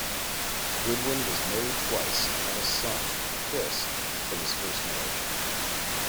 Goodwin was married twice and had a son, Chris, from his first marriage.